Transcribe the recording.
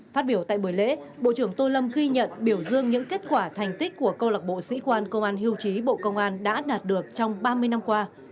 phát biểu tại buổi lễ bộ trưởng tô lâm ghi nhận biểu dương những kết quả thành tích của câu lạc bộ sĩ quan công an hiêu chí bộ công an đã đạt được trong ba mươi năm qua